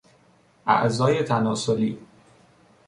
اعضای تناسلی